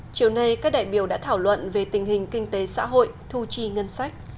chiều nay các đại biểu đã thảo luận về tình hình kinh tế xã hội thu chi ngân sách